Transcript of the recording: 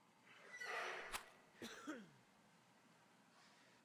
Pan Leiský zde od počátku působil jako tajemník.